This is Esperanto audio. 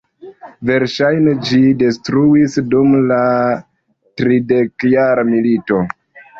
Verŝajne ĝi detruitis dum la Tridekjara milito.